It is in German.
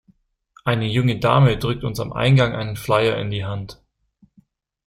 Eine junge Dame drückte uns am Eingang einen Flyer in die Hand.